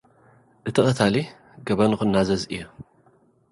እቲ ቐታሊ ገበኑ ኽናዘዝ እዩ።